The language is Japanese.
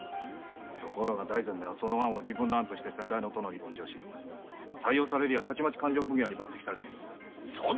ところが大膳は自分の案として先代の殿に言上し採用されるや勘定奉行に抜擢された。